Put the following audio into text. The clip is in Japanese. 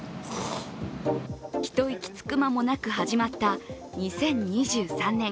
一息つく間もなく始まった２０２３年。